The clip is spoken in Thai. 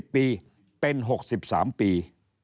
๑ปีเป็น๖๓ปี